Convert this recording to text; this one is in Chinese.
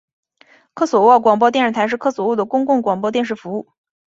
科索沃广播电视台是科索沃的公共广播电视服务。